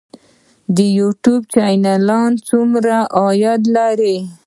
د یوټیوب چینلونه څومره عاید لري؟